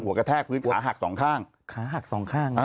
กระแทกพื้นขาหักสองข้างขาหักสองข้างอ่ะ